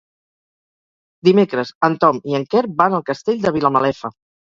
Dimecres en Tom i en Quer van al Castell de Vilamalefa.